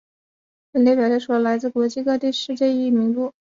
本列表列出了来自国际组织的世界记忆名录。